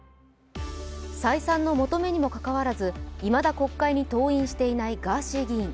再三の求めにもかかわらず、いまだ国会に登院していないガーシー議員。